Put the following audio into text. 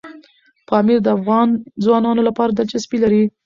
پامیر د افغان ځوانانو لپاره دلچسپي لري.